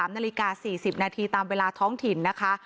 ๓นาฬิกา๔๐นาทีตามเวลาท้องถิ่นนะคะ